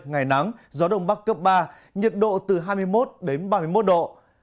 ngày nắng gió đông bắc cấp ba nhiệt độ từ hai mươi một đến ba mươi một độ